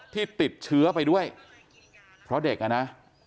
ที่ติดเชื้อไปด้วยเพราะเด็กอ่ะนะ